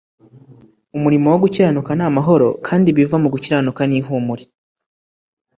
"Umurimo wo gukiranuka ni amahoro, kandi ibiva mu gukiranuka ni ihumure